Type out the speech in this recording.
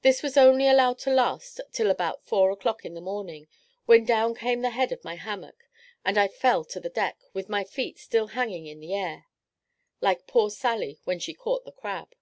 This was only allowed to last till about four o'clock in the morning, when down came the head of my hammock, and I fell to the deck, with my feet still hanging in the air, like poor Sally, when she caught the crab.